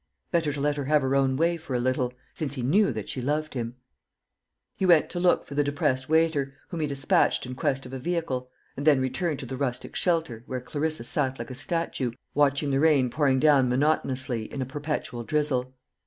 Better to let her have her own way for a little, since he knew that she loved him. He went to look for the depressed waiter, whom he dispatched in quest of a vehicle, and then returned to the rustic shelter, where Clarissa sat like a statue, watching the rain pouring down monotonously in a perpetual drizzle.